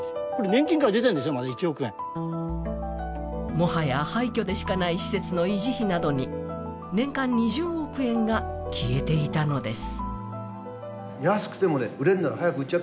もはや廃虚でしかない施設の維持費などに年間２０億円が消えていたのです。